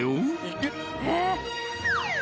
「えっ！？」